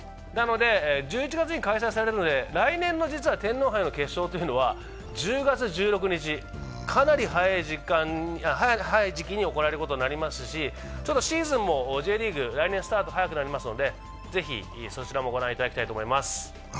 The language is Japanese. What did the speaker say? なので来年の天皇杯の決勝というのは、１０月１６日、かなり早い時期に行われることになりますしシーズンもＪリーグ、来年はスタートが早くなりますのでぜひ、そちらも御覧いただきたいと思います。